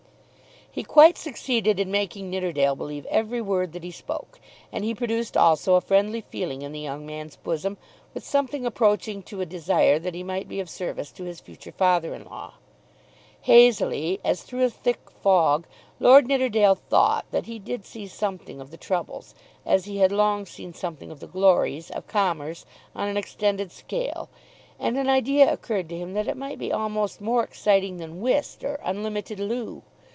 He quite succeeded in making Nidderdale believe every word that he spoke, and he produced also a friendly feeling in the young man's bosom, with something approaching to a desire that he might be of service to his future father in law. Hazily, as through a thick fog, Lord Nidderdale thought that he did see something of the troubles, as he had long seen something of the glories, of commerce on an extended scale, and an idea occurred to him that it might be almost more exciting than whist or unlimited loo.